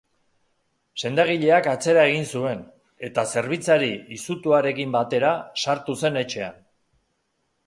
Sendagileak atzera egin zuen, eta zerbitzari izutuarekin batera sartu zen etxean.